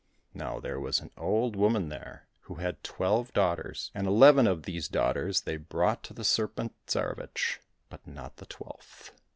Now there was an old woman there, who had twelve daughters, and eleven of these daughters they brought to the Serpent Tsarevich, but not the twelfth.